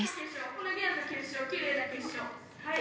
これレアな結晶きれいな結晶。